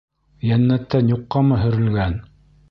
Йәннәттән юҡҡамы һөрөлгән...